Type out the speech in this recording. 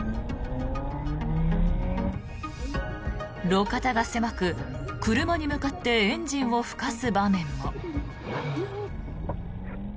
路肩が狭く、車に向かってエンジンを吹かす場面も。